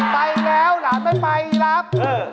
ไปแล้วหลานไม่ไปรับ